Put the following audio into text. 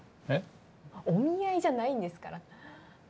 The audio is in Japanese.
えっ？お見合いじゃないんですから。